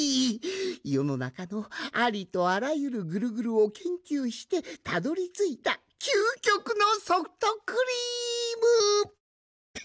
よのなかのありとあらゆるグルグルをけんきゅうしてたどりついたきゅうきょくのソフトクリーム！って。